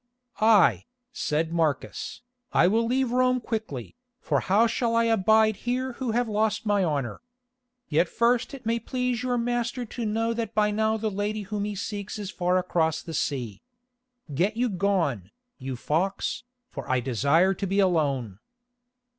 "Aye," said Marcus, "I will leave Rome quickly, for how shall I abide here who have lost my honour. Yet first it may please your master to know that by now the lady whom he seeks is far across the sea. Now get you gone, you fox, for I desire to be alone."